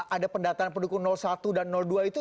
ada pendataan pendukung satu dan dua itu